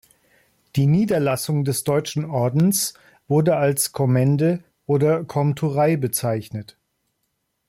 Die Niederlassungen des Deutschen Ordens wurden als Kommende oder Komturei bezeichnet.